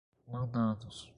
mandados